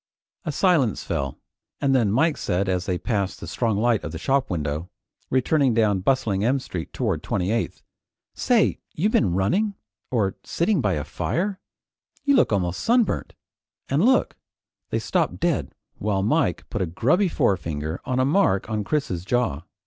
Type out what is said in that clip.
A silence fell, and then Mike said as they passed the strong light of a shop window, returning down bustling M Street toward 28th: "Say you been running or sitting by a fire? You look almost sunburnt. And look " They stopped dead while Mike put a grubby forefinger on a mark on Chris's jaw.